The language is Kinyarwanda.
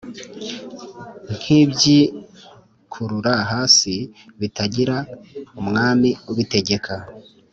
nk’ibyikurura hasi bitagira umwami ubitegeka’